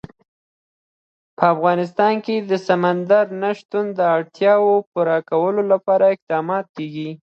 په افغانستان کې د سمندر نه شتون د اړتیاوو پوره کولو لپاره اقدامات کېږي.